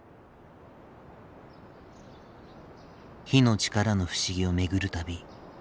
火の力の不思議を巡る旅。